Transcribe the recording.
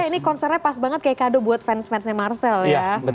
ini konsernya pas banget kayak kado buat fans fansnya marcel ya